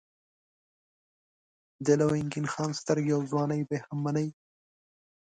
د لونګین خان سترګې او ځواني به هم منئ.